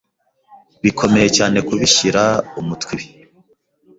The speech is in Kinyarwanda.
bikomeye cyane kubishyira umutwe ibi